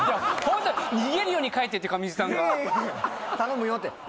ほんと逃げるように帰ってって上地さんが。頼むよって。